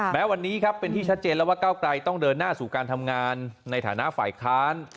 แม้วันนี้ครับเป็นที่ชัดเจนแล้วว่าก้าวไกลต้องเดินหน้าสู่การทำงานในฐานะฝ่ายค้าน